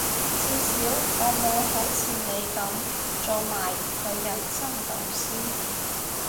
至少我冇好似你噉做埋佢人生導師